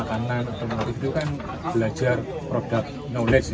kalau spg makanan atau makanan itu kan belajar product knowledge ya